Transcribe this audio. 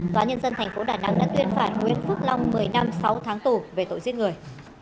tòa án nhân dân thành phố đà nẵng đã tuyên phản nguyễn phước long một mươi năm sáu tháng tù về tội giết người